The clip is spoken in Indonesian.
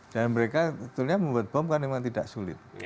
dan mereka sebetulnya membuat bom kan memang tidak sulit